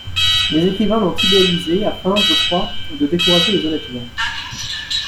Les écrivains l'ont idéalisé afin, je crois, de décourager les honnêtes gens.